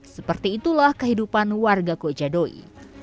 seperti itulah kehidupan warga kojadoi